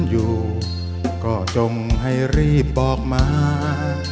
อยู่ก็จงให้รีบบอกมา